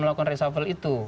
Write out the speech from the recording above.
melakukan reshuffle itu